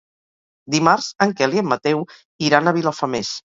Dimarts en Quel i en Mateu iran a Vilafamés.